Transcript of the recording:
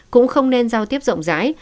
cũng không nên giao tiếp rộng rãi